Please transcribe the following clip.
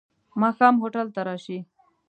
ماښام هوټل ته راشې.